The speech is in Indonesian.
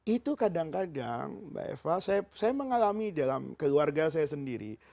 itu kadang kadang mbak eva saya mengalami dalam keluarga saya sendiri